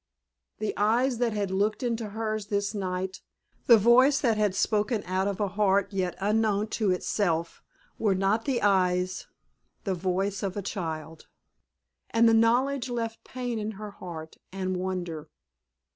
The eyes that had looked into hers this night, the voice that had spoken out of a heart yet unknown to itself, were not the eyes, the voice of a child. And the knowledge left pain in her heart, and wonder.